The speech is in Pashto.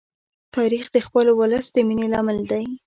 تاریخ د خپل ولس د مینې لامل دی.